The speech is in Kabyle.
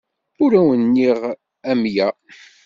Ur awen-nniɣ amya.